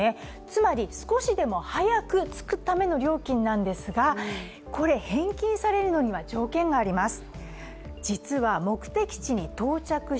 つまり、少しでも早く着くための料金なんですが、これ、返金されるのには条件があります。